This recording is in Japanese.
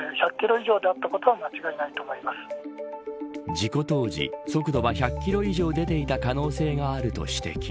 事故当時速度は１００キロ以上出ていた可能性があると指摘。